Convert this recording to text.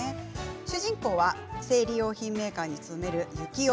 主人公は生理用品メーカーに勤める幸男。